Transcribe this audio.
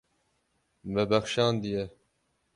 Me bexşandiye.